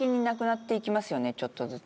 ちょっとずつ。